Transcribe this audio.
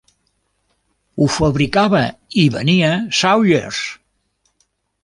Ho fabricava i venia Sawyer's.